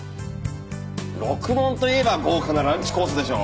ろくもんといえば豪華なランチコースでしょ。